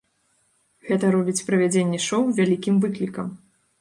Гэта робіць правядзенне шоу вялікім выклікам.